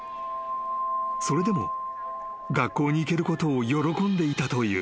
［それでも学校に行けることを喜んでいたという］